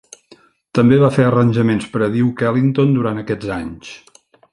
També va fer arranjaments per a Duke Ellington durant aquests anys.